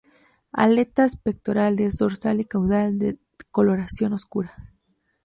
Aletas pectorales, dorsal y caudal, de coloración oscura.